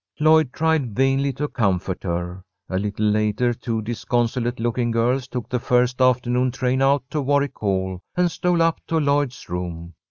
Lloyd tried vainly to comfort her. A little later two disconsolate looking girls took the first afternoon train out to Warwick Hall, and stole up to Lloyd's room.